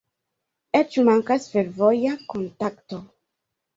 Eĉ mankas fervoja kontakto.